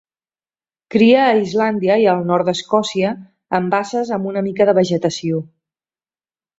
Cria a Islàndia i al nord d'Escòcia en basses amb una mica de vegetació.